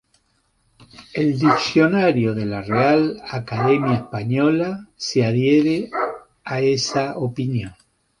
El "Diccionario de la Real Academia Española" se adhiere a esa opinión.